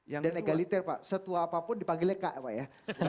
dan egaliter pak setua apapun dipanggilnya kak pak ya